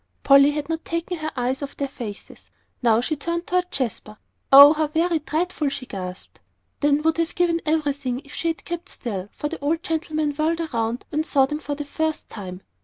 Polly had not taken her eyes off their faces. Now she turned toward Jasper. "Oh, how very dreadful!" she gasped then would have given everything if she had kept still, for the old gentleman whirled around and saw them for the first time.